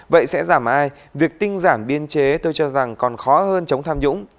vậy sẽ giảm ai việc tinh giản biên chế tôi cho rằng còn khó hơn chống tham nhũng